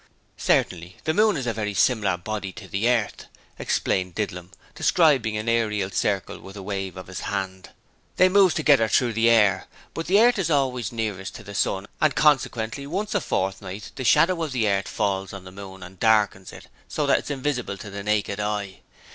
'Certainly: the moon is a very simler body to the earth,' explained Didlum, describing an aerial circle with a wave of his hand. They moves through the air together, but the earth is always nearest to the sun and consequently once a fortnight the shadder of the earth falls on the moon and darkens it so that it's invisible to the naked eye.